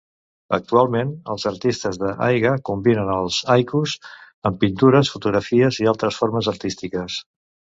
Actualment, els artistes de haiga combinen els haikus amb pintures, fotografies i altres formes artístiques.